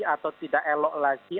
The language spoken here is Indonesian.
atau tidak elok lagi